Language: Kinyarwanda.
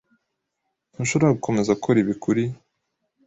Ntushobora gukomeza gukora ibi kuri .